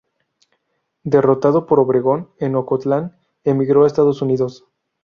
Derrotado por Obregón en Ocotlán, emigró a Estados Unidos.